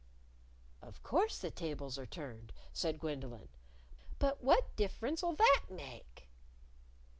"Of course the tables are turned," said Gwendolyn; "but what diff'rence'll that make?"